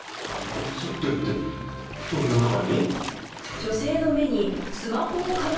映ってるって瞳の中に？